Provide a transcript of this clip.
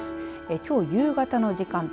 きょう夕方の時間帯。